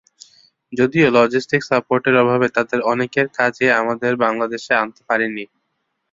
যদিও লজিস্টিক সাপোর্টের অভাবে তাঁদের অনেকের কাজই আমরা বাংলাদেশে আনতে পারিনি।